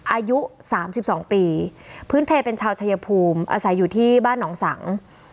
อายุ๓๒ปีพื้นเพลเป็นชาวชายภูมิอาศัยอยู่ที่บ้านหนองสัง